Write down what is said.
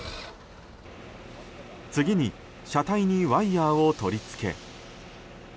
次に車体にワイヤを取り付け。